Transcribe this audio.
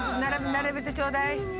ならべてちょうだい。